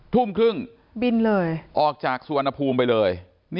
ทุ่มครึ่งออกจากสวรรค์นภูมิไปเลย